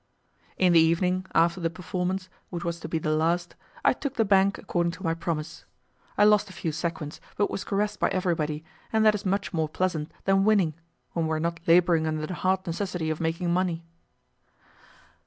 In the evening, after the performance, which was to be the last, I took the bank according to my promise: I lost a few sequins, but was caressed by everybody, and that is much more pleasant than winning, when we are not labouring under the hard necessity of making money.